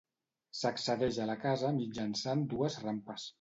S'accedeix a la casa mitjançant dues rampes.